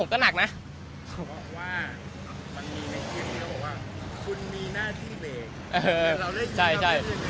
มันมีในคลิปว่าคุณมีหน้าที่เบรก